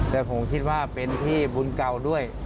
แต่ผมคิดว่าเป็นพี่บุญเก่าด้วย